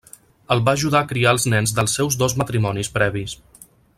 El va ajudar a criar els nens dels seus dos matrimonis previs.